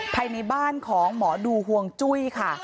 ภายในบ้านของหมอดูห่วงจุ้ยค่ะ